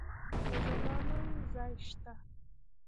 د زنانه وو ځای شته.